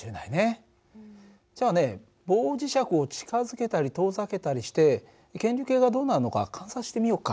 じゃあね棒磁石を近づけたり遠ざけたりして検流計がどうなるのか観察してみようか。